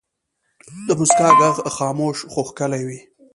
د مسکا ږغ خاموش خو ښکلی وي.